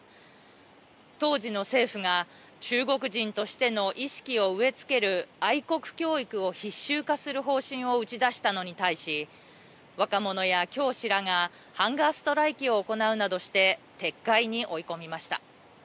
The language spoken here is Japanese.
当時の政府が中国人としての意識を植え付ける愛国教育を必修化する方針を打ち出したのに対し若者や教師らがハンガーストライキを行うなどして撤回に追い込みました。